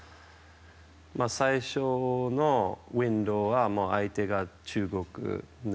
最初のウィンドウは相手が中国。